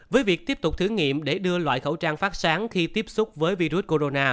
với việc tiếp tục thử nghiệm để đưa loại khẩu trang phát sáng khi tiếp xúc với virus corona